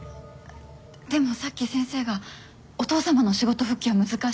でもさっき先生がお父さまの仕事復帰は難しいって。